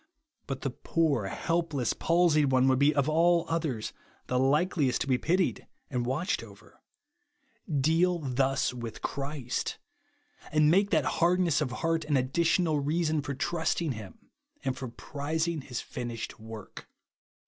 But the poor helpless palsied one would be of all others the likeliest to be pitied and watched over. Deal thus with Christ ; and THE WANT OF rOWf.H TO BELIEVE. 135 make that hardness of heart an additional reason for trusting him, and for prizing his finished work.